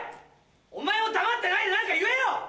お前も黙ってないで何か言えよ！